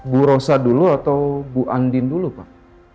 bu rosa dulu atau bu andin dulu pak